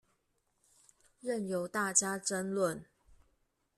任由大家爭論